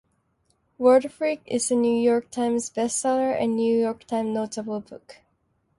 "Word Freak" is a "New York Times" Bestseller and "New York Times" Notable Book.